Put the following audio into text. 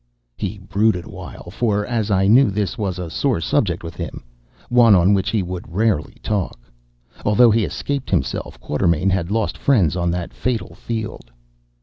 He brooded awhile, for, as I knew, this was a sore subject with him, one on which he would rarely talk. Although he escaped himself, Quatermain had lost friends on that fatal field.